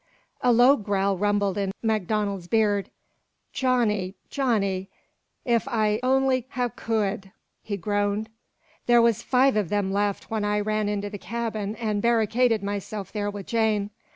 A low growl rumbled in MacDonald's beard. "Johnny, Johnny, if I only ha' could!" he groaned. "There was five of them left when I ran into the cabin an' barricaded myself there with Jane.